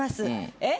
えっ？